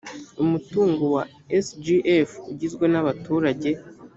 umutungo wa sgf ugizwe nabaturage